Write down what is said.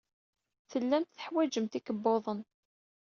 Tellamt teḥwajemt ikebbuḍen.